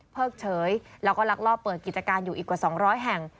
เฉยแล้วก็ลักลอบเปิดกิจการอยู่อีกกว่า๒๐๐แห่ง